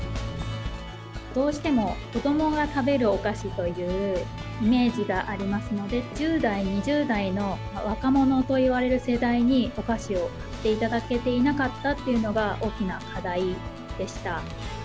どうしても子どもが食べるお菓子というイメージがありますので、１０代、２０代の若者といわれる世代に、お菓子を買っていただけていなかったというのが大きな課題でした。